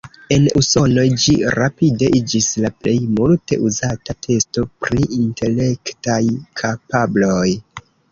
En Usono ĝi rapide iĝis la plej multe uzata testo pri intelektaj kapabloj.